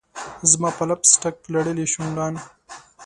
زما په لپ سټک لړلي شونډان